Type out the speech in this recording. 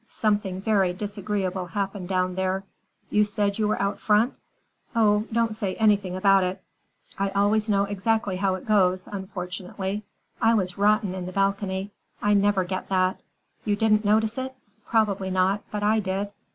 Something very disagreeable happened down there. You said you were out front? Oh, don't say anything about it. I always know exactly how it goes, unfortunately. I was rotten in the balcony. I never get that. You didn't notice it? Probably not, but I did."